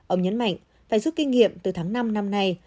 ông nhấn mạnh phải giúp kinh nghiệm từ tháng năm năm nay